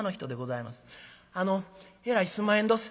「あのえらいすんまへんどす。